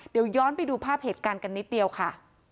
เดี๋ยวย้อนไปดูภาพเหตุการณ์กันนิดเดียวค่ะ